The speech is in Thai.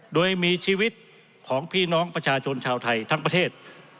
โดยมีชีวิตของพี่น้องประชาชนชาวไทยทั้งประเทศ